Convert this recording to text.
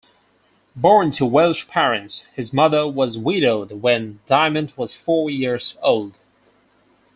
Born to Welsh parents, his mother was widowed when Dyment was four years old.